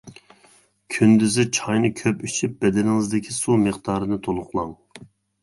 كۈندۈزى چاينى كۆپ ئىچىپ، بەدىنىڭىزدىكى سۇ مىقدارىنى تولۇقلاڭ.